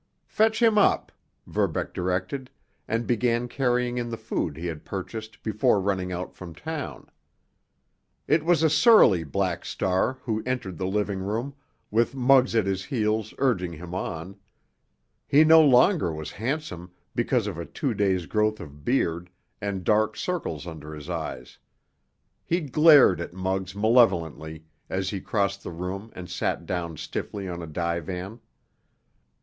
"Fetch him up," Verbeck directed, and began carrying in the food he had purchased before running out from town. It was a surly Black Star who entered the living room, with Muggs at his heels urging him on. He no longer was handsome because of a two days' growth of beard and dark circles under his eyes. He glared at Muggs malevolently as he crossed the room and sat down stiffly on a divan.